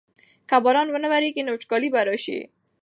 که باران ونه ورېږي نو وچکالي به راشي.